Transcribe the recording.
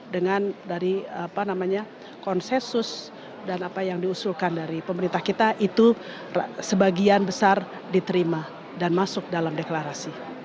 dengan dari konsensus dan apa yang diusulkan dari pemerintah kita itu sebagian besar diterima dan masuk dalam deklarasi